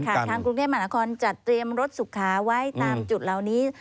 ทางกรุงเทพมหานครจัดเตรียมรถสุขาไว้ตามจุดเหล่านี้